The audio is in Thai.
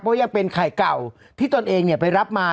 เพราะยังเป็นไข่เก่าที่ตนเองไปรับมา